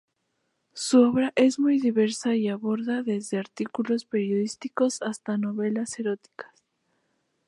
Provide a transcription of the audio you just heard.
Su obra es muy diversa y aborda desde artículos periodísticos hasta novela erótica.